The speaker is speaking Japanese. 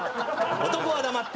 男は黙って。